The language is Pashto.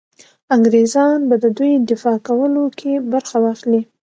انګرېزان به د دوی دفاع کولو کې برخه واخلي.